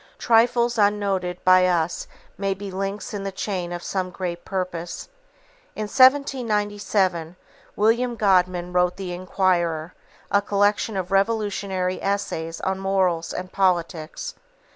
Trifles unnoted by us may be links in the chain of some great purpose. In 1797, William Godwin wrote The Inquirer, a collection of revolutionary essays on morals and politics.